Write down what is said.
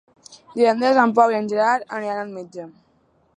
Divendres en Pau i en Gerard aniran al metge.